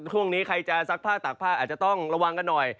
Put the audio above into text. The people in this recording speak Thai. ช่วงนี้ใครจะซักผ้าตากผ้าอาจจะต้องระวังกันหน่อย